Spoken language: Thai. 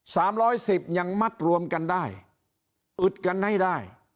สามร้อยสิบยังมัดรวมกันได้อึดกันให้ได้